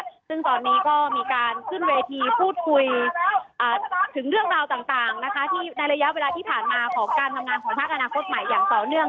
ซึ่งตอนนี้ก็มีการขึ้นเวทีพูดคุยถึงเรื่องราวต่างนะคะที่ในระยะเวลาที่ผ่านมาของการทำงานของพักอนาคตใหม่อย่างต่อเนื่อง